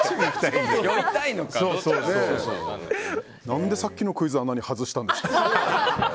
何でさっきのクイズあんなに外したんですか？